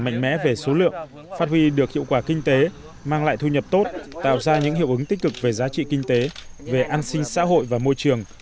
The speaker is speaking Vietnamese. mạnh mẽ về số lượng phát huy được hiệu quả kinh tế mang lại thu nhập tốt tạo ra những hiệu ứng tích cực về giá trị kinh tế về an sinh xã hội và môi trường